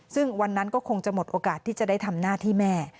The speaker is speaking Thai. ซึ่งวันนั้นก็คงจะหมดโอกาสที่จะได้ทำหน้าที่แม่